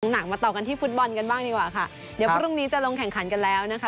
หนักมาต่อกันที่ฟุตบอลกันบ้างดีกว่าค่ะเดี๋ยวพรุ่งนี้จะลงแข่งขันกันแล้วนะคะ